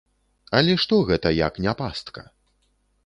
Але што гэта, як не пастка?